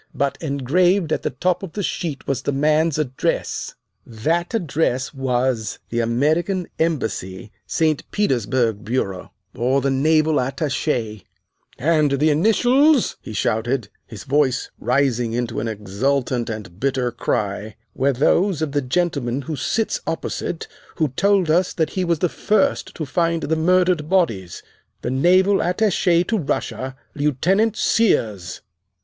But engraved at the top of the sheet was the man's address. That address was 'THE AMERICAN EMBASSY, ST. PETERSBURG, BUREAU or THE NAVAL ATTACHE,' and the initials," he shouted, his voice rising into an exultant and bitter cry, "were those of the gentleman who sits opposite who told us that he was the first to find the murdered bodies, the Naval Attache to Russia, Lieutenant Sears!"